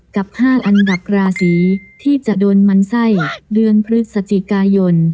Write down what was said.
กับ๕อันดับราศีที่จะโดนมันไส้เดือนพฤศจิกายน